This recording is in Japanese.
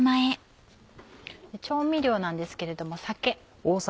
調味料なんですけれども酒。